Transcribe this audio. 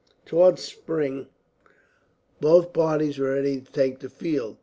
Towards spring both parties were ready to take the field.